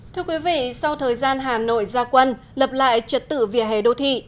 thưa quý vị sau thời gian hà nội ra quân lập lại trật tự vỉa hè đô thị